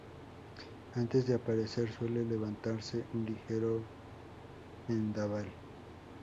Antes de aparecer suele levantarse un ligero vendaval.